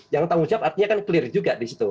yang tanggung jawab artinya kan clear juga disitu